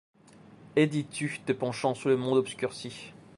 Et dis-tu, te penchant sur le monde obscurci